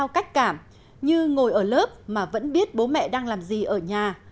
cách cảm như ngồi ở lớp mà vẫn biết bố mẹ đang làm gì ở nhà